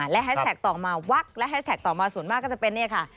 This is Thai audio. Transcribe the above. และแฮชแท็กต่อมาวักและแฮชแท็กต่อมาส่วนมากก็จะเป็นเนี่ยค่ะ